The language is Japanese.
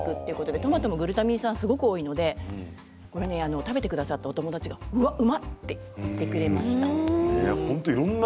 トマトもグルタミン酸がとても多いので食べてくださった友達がうまいと言ってくれました。